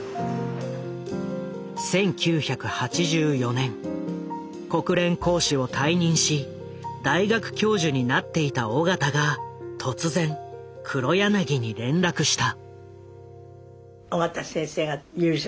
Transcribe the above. １９８４年国連公使を退任し大学教授になっていた緒方が突然黒柳に連絡した。